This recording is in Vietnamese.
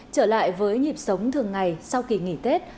trở lại với nhịp sống thường ngày sau kỳ nghỉ tết